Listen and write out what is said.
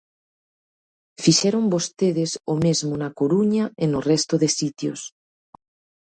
Fixeron vostedes o mesmo na Coruña e no resto de sitios.